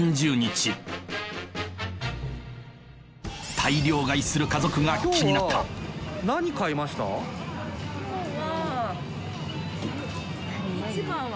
大量買いする家族が気になった今日は。